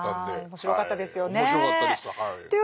面白かったですはい。